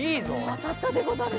あたったでござる。